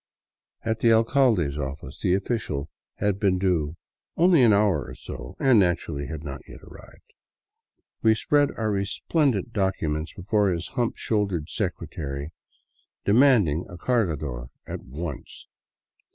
At the alcalde's office that offiicial had been due only an hour or so, and naturally had not yet arrived. We spread our resplendent docu ment before his hump shouldered secretary, demanding a .cargador at once.